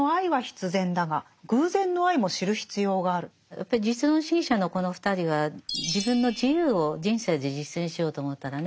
やっぱり実存主義者のこの２人は自分の自由を人生で実践しようと思ったらね